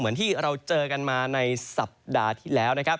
เหมือนที่เราเจอกันมาในสัปดาห์ที่แล้วนะครับ